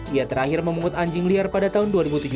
ia terakhir memungut anjing liar pada tahun dua ribu tujuh belas